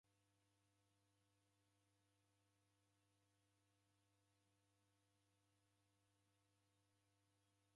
Mao nio mka wa imbiri kugua igare mzinyi mzedu.